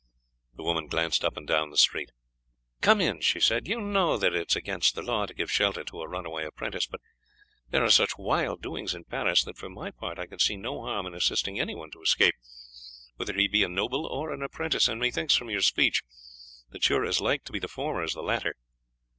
The woman glanced up and down the street. "Come in," she said. "You know that it is against the law to give shelter to a runaway apprentice, but there are such wild doings in Paris that for my part I can see no harm in assisting anyone to escape, whether he be a noble or an apprentice, and methinks from your speech that you are as like to be the former as the latter.